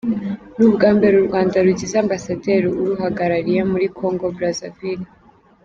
Ni ubwa mbere u Rwanda rugize Ambasaderi uruhagarariye muri Congo Brazaville.